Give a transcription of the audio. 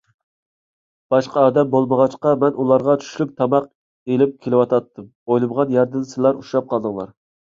باشقا ئادەم بولمىغاچقا، مەن ئۇلارغا چۈشلۈك تاماق ئېلىپ كېتىۋاتاتتىم. ئويلىمىغان يەردىن سىلەر ئۇچراپ قالدىڭلار.